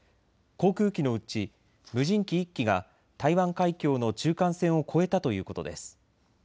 航空機のうち無人機１機が台湾海峡の中間線を越えたということです。